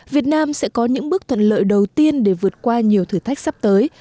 việt nam sẽ có những bước thuận lợi đầu tiên để vượt qua nhiều thử thách sắp tới